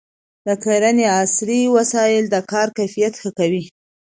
د کرنې عصري وسایل د کار کیفیت ښه کوي.